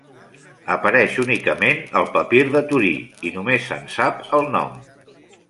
Apareix únicament al Papir de Torí i només se'n sap el nom.